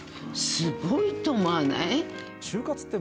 すごいと思わない？